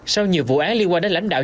sau nhiều vụ án liên quan đến lãnh đạo